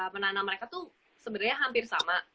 menanam mereka tuh sebenarnya hampir sama